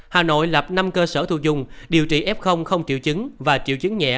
hà nội lập năm cơ sở thu dung điều trị f không triệu chứng và triệu chứng nhẹ